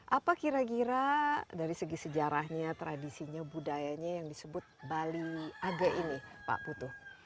apa kira kira dari segi sejarahnya tradisinya budayanya yang disebut bali age ini pak putu